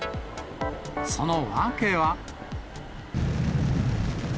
その訳は。